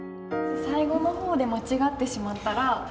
最後の方で間違ってしまったら。